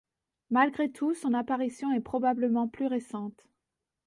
Malgré tout, son apparition est probablement plus récente.